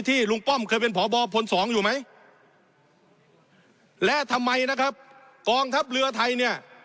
ลุงป้อมเคยเป็นพบพลสองอยู่ไหมและทำไมนะครับกองทัพเรือไทยเนี่ย